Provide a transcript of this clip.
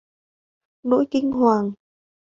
nỗi kinh hoàng